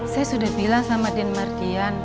saya sudah bilang sama din mardian